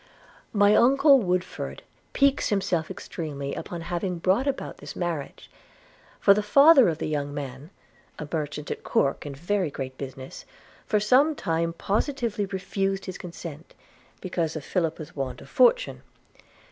'My uncle Woodford piques himself extremely upon having brought about this marriage; for the father of the young man (a merchant at Corke in very great business) for some time positively refused his consent, because of Philippa's want of fortune.